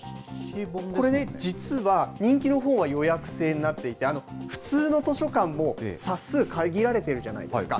これ、実は人気の本は予約制になっていて、普通の図書館も冊数、限られているじゃないですか。